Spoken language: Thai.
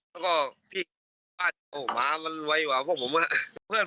แล้วก็พี่บ้านโอ้โฮหมามันวัยกว่าพวกผม